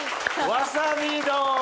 わさび丼。